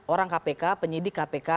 orang kpk penyidik kpk